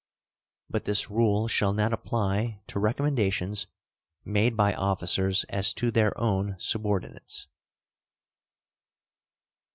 But this rule shall not apply to recommendations made by officers as to their own subordinates.